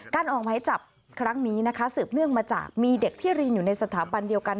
ออกหมายจับครั้งนี้นะคะสืบเนื่องมาจากมีเด็กที่เรียนอยู่ในสถาบันเดียวกัน